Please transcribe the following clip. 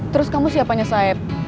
terus kamu siapanya saip